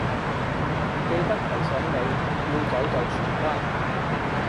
唔記得提醒你，要走就全家